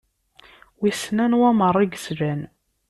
Wissen anwa meṛṛa i yeslan?